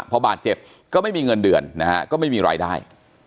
พอบาดเจ็บก็ไม่มีเงินเดือนนะฮะก็ไม่มีรายได้